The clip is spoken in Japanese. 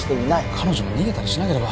・彼女も逃げたりしなければ